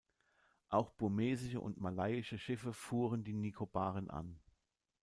Auch burmesische und malayische Schiffe fuhren die Nikobaren an.